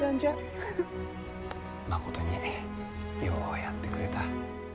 まことにようやってくれた。